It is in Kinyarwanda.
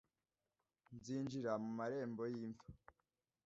nzinjira mu marembo y imva